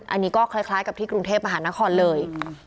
อันนี้ก็คล้ายกับที่กรุงเทพมหานครเลย